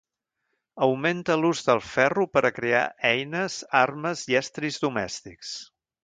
Augmenta l'ús del ferro per a crear eines, armes i estris domèstics.